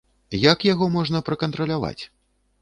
Як яго можна пракантраляваць?